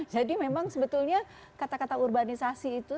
jadi memang sebetulnya kata kata urbanisasi itu